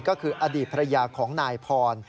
ก็คืออดีตภรรยาของนายพร